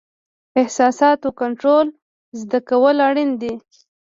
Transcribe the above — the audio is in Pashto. احساساتو کنټرول زده کول اړین دي.